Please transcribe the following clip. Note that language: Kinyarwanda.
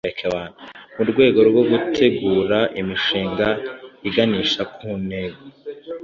mu rwego rwo gutegura imishinga iganisha ku ntego